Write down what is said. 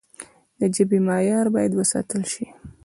د ژبي معیار باید وساتل سي.